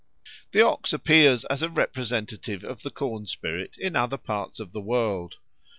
The OX appears as a representative of the corn spirit in other parts of the world.